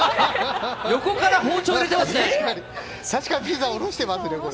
横から包丁を入れてますね。